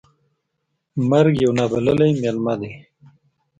مرګ یو نا بللی میلمه ده .